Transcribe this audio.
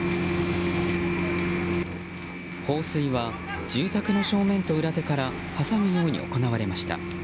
放水は、住宅の正面と裏手から挟むように行われました。